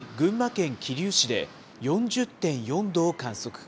おととい、群馬県桐生市で４０．４度を観測。